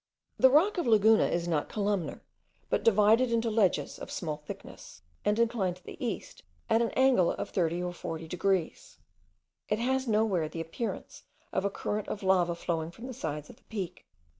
The rock of Laguna is not columnar, but is divided into ledges, of small thickness, and inclined to the east at an angle of 30 or 40 degrees. It has nowhere the appearance of a current of lava flowing from the sides of the peak.